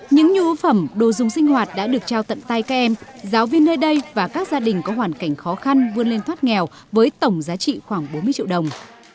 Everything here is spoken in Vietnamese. những nhu ưu phẩm đồ dùng sinh hoạt đã được trao tận tay các em giáo viên nơi đây và các gia đình có hoàn cảnh khó khăn vươn lên thoát nghèo với tổng giá trị khoảng bốn mươi triệu đồng